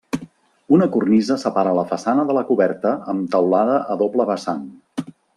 Una cornisa separa la façana de la coberta amb teulada a doble vessant.